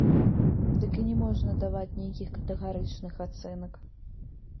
Дык і не можна даваць нейкіх катэгарычных ацэнак.